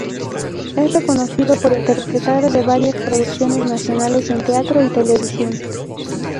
Es reconocido por interpretar de varias producciones nacionales en teatro y televisión.